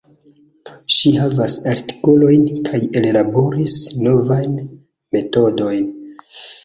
Ŝi havas artikolojn, kaj ellaboris novajn metodojn.